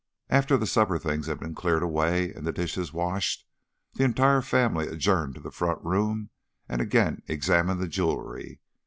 After the supper things had been cleared away and the dishes washed, the entire family adjourned to the front room and again examined the jewelry.